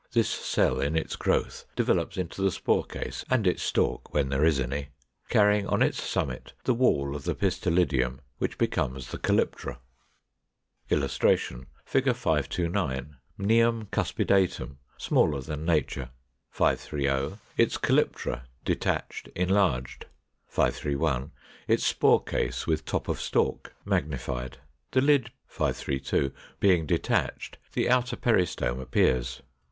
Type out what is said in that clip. This cell in its growth develops into the spore case and its stalk (when there is any), carrying on its summit the wall of the pistillidium, which becomes the calyptra. [Illustration: Fig. 529. Mnium cuspidatum, smaller than nature. 530. Its calyptra, detached, enlarged. 531. Its spore case, with top of stalk, magnified, the lid (532) being detached, the outer peristome appears.